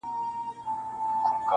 د هغو لپاره یو دي څه دننه څه د باندي-